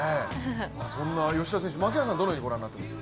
そんな吉田選手、槙原さんはどういうふうにご覧になっていますか？